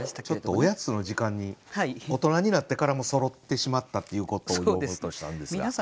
ちょっとおやつの時間に大人になってからもそろってしまったっていうことを詠もうとしたんですが。